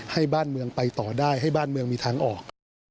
ให้บ้านเมืองไปต่อได้ให้บ้านเมืองมีทางออก